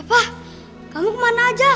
bapak kamu kemana aja